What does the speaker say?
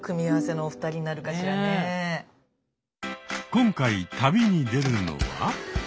今回旅に出るのは。